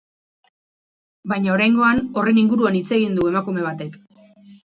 Baina, oraingoan horren inguruan hitz egin du emakume batek.